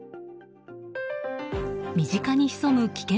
身近に潜む危険